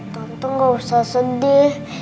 tante gak usah sedih